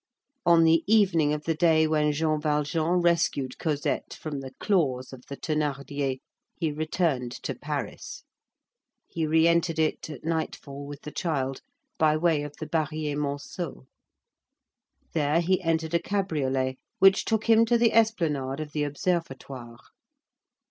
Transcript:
On the evening of the day when Jean Valjean rescued Cosette from the claws of the Thénardiers, he returned to Paris. He re entered it at nightfall, with the child, by way of the Barrier Monceaux. There he entered a cabriolet, which took him to the esplanade of the Observatoire.